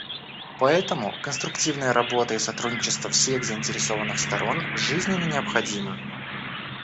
Поэтому конструктивная работа и сотрудничество всех заинтересованных сторон жизненно необходимы.